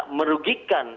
istisya oleh negara merugikan